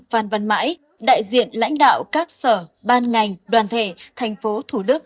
phan văn mãi đại diện lãnh đạo các sở ban ngành đoàn thể thành phố thủ đức